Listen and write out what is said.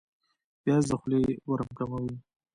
پیاز د خولې ورم کموي